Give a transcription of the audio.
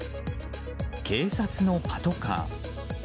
警察のパトカー。